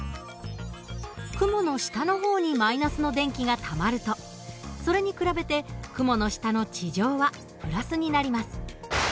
雲の下の方に−の電気がたまるとそれに比べて雲の下の地上は＋になります。